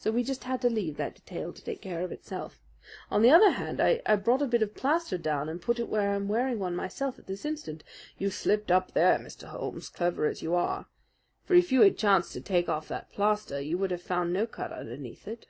So we just had to leave that detail to take care of itself. On the other hand, I brought a bit of plaster down and put it where I am wearing one myself at this instant. You slipped up there, Mr. Holmes, clever as you are; for if you had chanced to take off that plaster you would have found no cut underneath it.